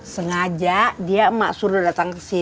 sengaja dia emak suruh datang kesini